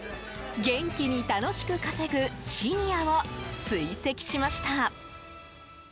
元気に楽しく稼ぐシニアを追跡しました！